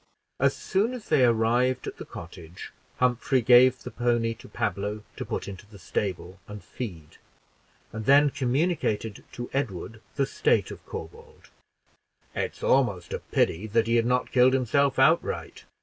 As soon as they arrived at the cottage, Humphrey gave the pony to Pablo to put into the stable and feed, and then communicated to Edward the state of Corbould. "It's almost a pity that he had not killed himself outright."